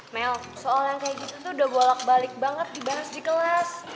mel soal yang kayak gitu tuh udah bolak balik banget dibarus di kelas